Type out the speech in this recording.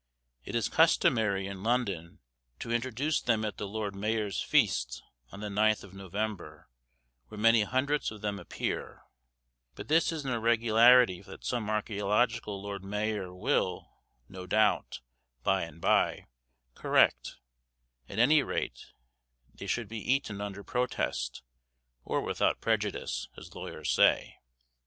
It is customary, in London, to introduce them at the lord mayor's feast, on the 9th of November, where many hundreds of them appear; but this is an irregularity that some archæological lord mayor will, no doubt, by and bye, correct; at any rate they should be eaten under protest, or without prejudice, as lawyers say.